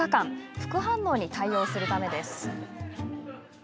副反応に対応するためです。